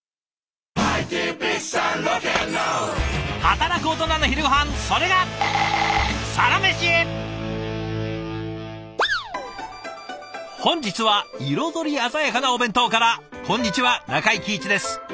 働くオトナの昼ごはんそれが本日は彩り鮮やかなお弁当からこんにちは中井貴一です。